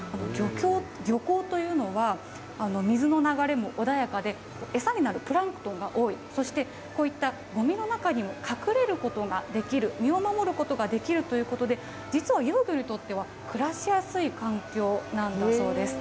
漁港というのは、水の流れも穏やかで、餌になるプランクトンが多い、そして、こういったごみの中にも隠れることができる、身を守ることができるということで、実は幼魚にとっては暮らしやすい環境なんだそうです。